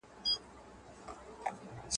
چي یې منکر دی هغه نادان دی.